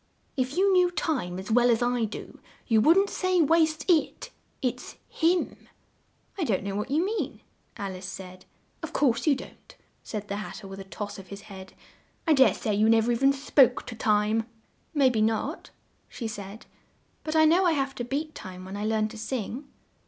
"If you knew Time as well as I do, you wouldn't say 'waste it.' It's him." "I don't know what you mean," Al ice said. "Of course you don't!" said the Hat ter with a toss of his head. "I dare say you nev er e ven spoke to Time." "May be not," she said, "but I know I have to beat time when I learn to sing."